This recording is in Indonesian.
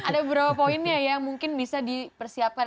ada beberapa poinnya yang mungkin bisa dipersiapkan